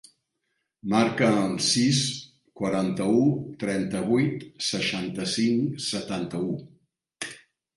Marca el sis, quaranta-u, trenta-vuit, seixanta-cinc, setanta-u.